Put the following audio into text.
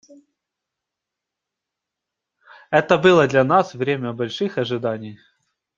Это было для нас время больших ожиданий.